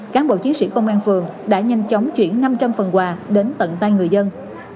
cán bộ chiến sĩ công an phường đã nhanh chóng chuyển năm trăm linh phần quà đến tận tay người dân